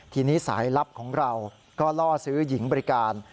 ทีนี้สายลับของเราก็ล่อซื้อหญิงบริการ